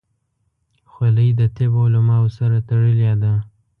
خولۍ د طب علماو سره تړلې ده.